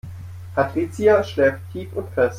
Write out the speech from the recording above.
Patricia schläft tief und fest.